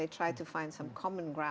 dengan kaki yang sangat benar